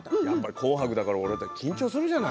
「紅白」とか緊張するじゃない。